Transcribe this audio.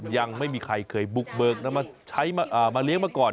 ยังไม่มีใครเคยบุกเบิกมาเลี้ยงมาก่อน